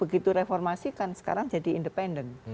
begitu reformasi kan sekarang jadi independen